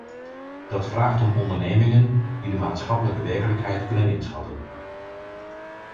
Dat vraagt om ondernemingen die de maatschappelijke werkelijkheid kunnen inschatten.